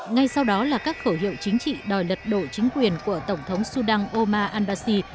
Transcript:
ngay sau đó là các khẩu hiệu chính trị đòi lật độ chính quyền của tổng thống sudan omar al basri